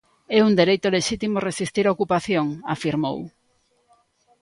"É un dereito lexítimo resistir a ocupación", afirmou.